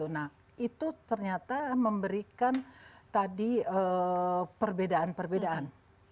nah itu ternyata memberikan tadi perbedaan perbedaan